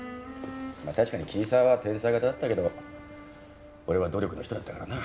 まあ確かに桐沢は天才型だったけど俺は努力の人だったからな。